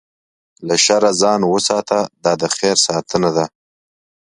له شره ځان وساته، دا د خیر ساتنه ده.